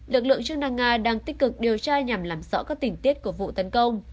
lực lượng chức năng nga đang tích cực điều tra nhằm làm rõ các tình tiết của vụ tấn công